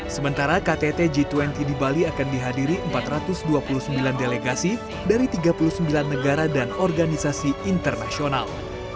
sementara ktt g dua puluh di bali akan dihadiri empat ratus dua puluh sembilan delegasi dari tiga puluh sembilan negara dan organisasi internasional